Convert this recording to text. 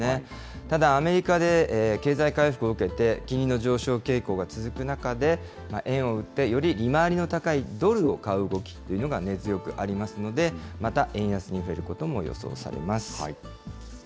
ただ、アメリカで、経済回復を受けて、金利の上昇傾向が続く中で、円を売ってより利回りの高いドルを買う動きというのが、根強くありますので、また円安に振れることも予想されます。